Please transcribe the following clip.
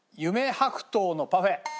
白桃のパフェ。